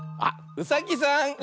うさぎさん。